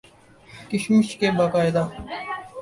کشمش کے باقاعدہ